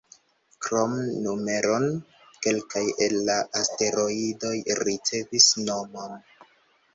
Krom numeron, kelkaj el la asteroidoj ricevis nomon.